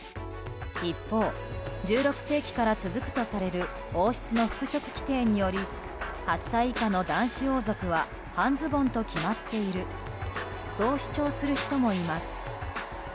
一方、１６世紀から続くとされる王室の服飾規定により８歳以下の男子王族は半ズボンと決まっているそう主張する人もいます。